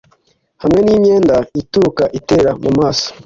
Hamwe nimyenda itukura iterera mumaso